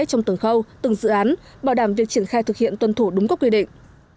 trong từng khâu từng dự án bảo đảm việc triển khai thực hiện tuân thủ đúng các quy định